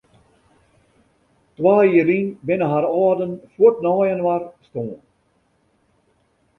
Twa jier lyn binne har âlden fuort nei inoar stoarn.